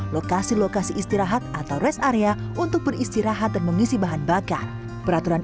lokasi lokasi istirahat atau rest area untuk beristirahat dan mengisi bahan bakar peraturan